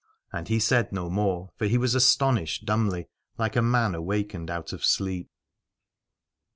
And he said no more, for he was astonished dumbly, like a man awakened out of sleep.